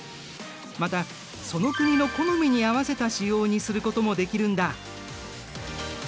またその国の好みに合わせた仕様にすることもできるんだ。